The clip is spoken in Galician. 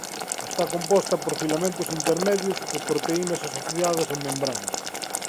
Está composta por filamentos intermedios e proteínas asociadas a membranas.